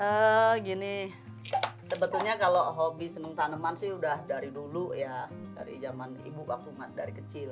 ya gini sebetulnya kalau hobi seneng tanaman sih udah dari dulu ya dari zaman ibu waktu dari kecil